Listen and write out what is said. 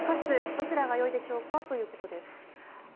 どちらがよいでしょうか？ということです。